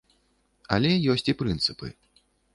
Але ёсць і прынцыпы.